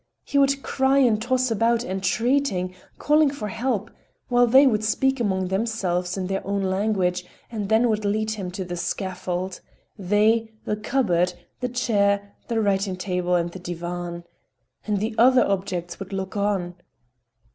He would cry and toss about, entreating, calling for help, while they would speak among themselves in their own language, and then would lead him to the scaffold,—they, the cupboard, the chair, the writing table and the divan. And the other objects would look on.